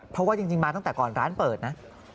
เพราะว่าจริงมาตั้งแต่ก่อนร้านเปิดนะ